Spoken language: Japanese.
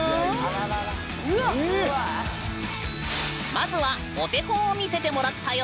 まずはお手本を見せてもらったよ！